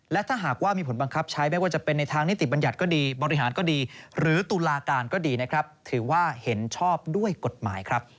และถ้าหากว่ามีผลบังคับใช้ไม่ว่าจะเป็นในทางนิติบัญญัติก็ดีบริหารก็ดีหรือตุลาการก็ดีนะครับถือว่าเห็นชอบด้วยกฎหมายครับ